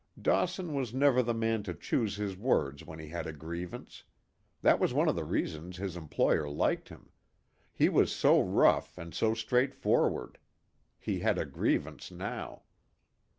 Dawson was never the man to choose his words when he had a grievance. That was one of the reasons his employer liked him. He was so rough, and so straightforward. He had a grievance now.